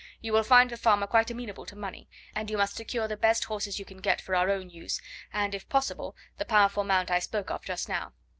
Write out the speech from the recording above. You will find the farmer quite amenable to money, and you must secure the best horses you can get for our own use, and, if possible, the powerful mount I spoke of just now.